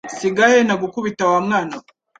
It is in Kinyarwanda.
sigahe ntagukubita wamwana we